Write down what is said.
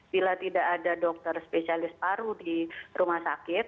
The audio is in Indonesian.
bila tidak ada dokter spesialis paru di rumah sakit